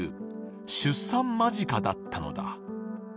出産間近だったのだ。